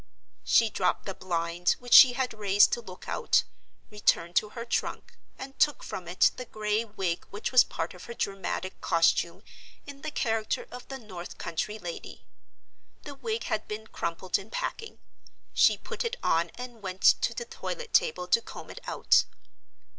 She dropped the blind which she had raised to look out, returned to her trunk, and took from it the gray wig which was part of her dramatic costume in the character of the North country lady. The wig had been crumpled in packing; she put it on and went to the toilet table to comb it out.